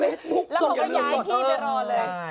แล้วมันก็จะย้ายที่ไปก่อนเลย